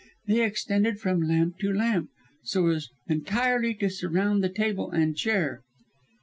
They extended from lamp to lamp, so as entirely to surround the table and the chair.